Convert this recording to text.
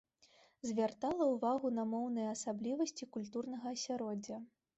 Звяртала ўвагу на моўныя асаблівасці культурнага асяроддзя.